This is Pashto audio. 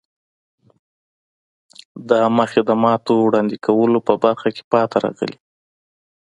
د عامه خدماتو وړاندې کولو په برخه کې پاتې راغلي.